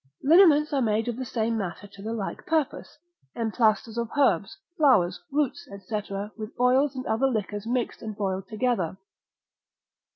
Liniments are made of the same matter to the like purpose: emplasters of herbs, flowers, roots, &c., with oils, and other liquors mixed and boiled together.